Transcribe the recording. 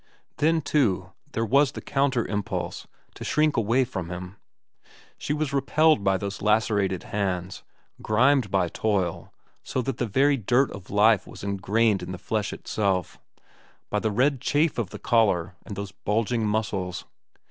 Then, too, there was the counter impulse to shrink away from him. She was repelled by those lacerated hands, grimed by toil so that the very dirt of life was ingrained in the flesh itself, by that red chafe of the collar and those bulging muscles.